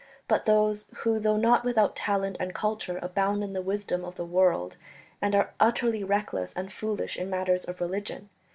. but those who, though not without talent and culture, abound in the wisdom of the world, and are utterly reckless and foolish in matters of religion.